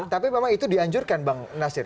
tapi memang itu dianjurkan bang nasir